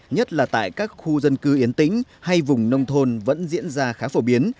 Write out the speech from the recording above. nhất là tại các khu dân cư yến tính hay vùng nông thôn vẫn diễn ra khá phổ biến